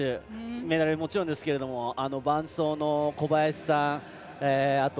メダルもちろんですけれども伴奏の小林さん。